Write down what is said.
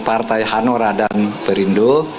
partai hanora dan perindo